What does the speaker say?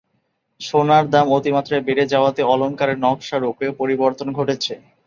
সোনার দাম অতিমাত্রায় বেড়ে যাওয়াতে, অলঙ্কারের নকশা-রূপেরও পরিবর্তন ঘটেছে।